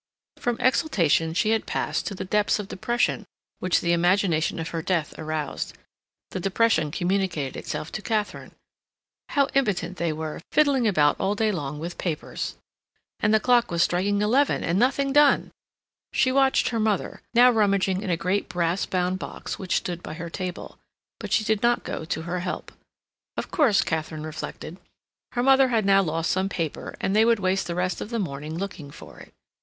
From exultation she had passed to the depths of depression which the imagination of her death aroused. The depression communicated itself to Katharine. How impotent they were, fiddling about all day long with papers! And the clock was striking eleven and nothing done! She watched her mother, now rummaging in a great brass bound box which stood by her table, but she did not go to her help. Of course, Katharine reflected, her mother had now lost some paper, and they would waste the rest of the morning looking for it.